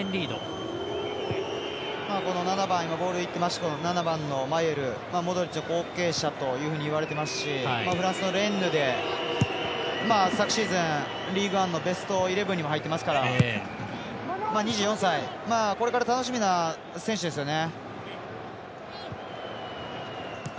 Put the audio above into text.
７番、ボールいっていた７番のマイエルモドリッチの後継者というふうに言われてますしフランスのレンヌで昨シーズン、リーグのベスト１１にも入っていますから２４歳、これから楽しみな選手ですよね。